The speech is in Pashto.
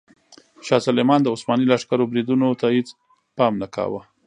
شاه سلیمان د عثماني لښکرو بریدونو ته هیڅ پام نه کاوه.